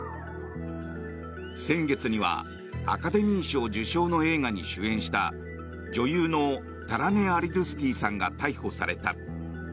先月にはアカデミー賞受賞の映画に主演した女優のタラネ・アリドゥスティさんが逮捕された。